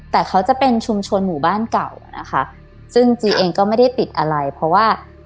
แต่เขาจะเป็นชุมชนหมู่บ้านเก่าอ่ะนะคะซึ่งจีเองก็ไม่ได้ติดอะไรเพราะว่า